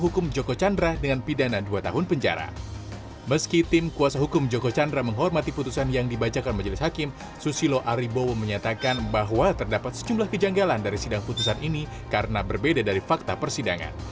karena berbeda dari fakta persidangan